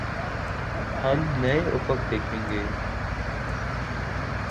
ہم نئے افق دیکھیں گے۔